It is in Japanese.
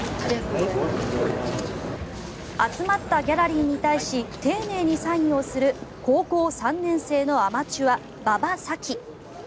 集まったギャラリーに対し丁寧にサインをする高校３年生のアマチュア馬場咲希。